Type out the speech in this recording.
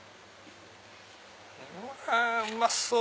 うわうまそう！